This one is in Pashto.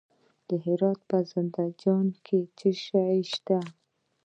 د هرات په زنده جان کې څه شی شته؟